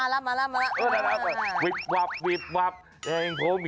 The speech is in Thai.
ถ้าคุณจอดแล้วเต้นคุณความผิดด้วยเลยนะ